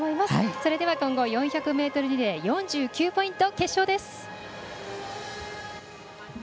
それでは混合４００ｍリレー４９ポイント、決勝です。